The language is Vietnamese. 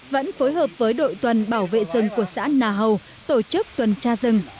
vẫn phối hợp với đội tuần bảo vệ rừng của xã nà hầu tổ chức tuần tra rừng